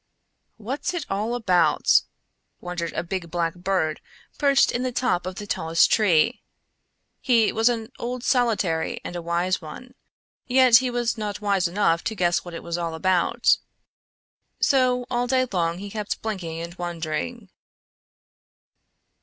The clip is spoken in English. "What's it all about?" wondered a big black bird perched in the top of the tallest tree. He was an old solitary and a wise one, yet he was not wise enough to guess what it was all about. So all day long he kept blinking and wondering.